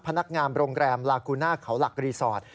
พนักงานโรงแรมลากูน่าเขาหลักรีสอร์ท